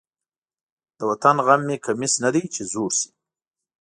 د وطن غم مې کمیس نه دی چې زوړ شي.